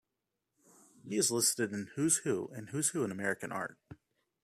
He is listed in "Who's Who" and "Who's Who in American Art".